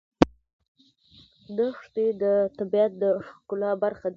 دښتې د طبیعت د ښکلا برخه ده.